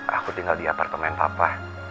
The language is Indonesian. aku tinggal di apartemen papa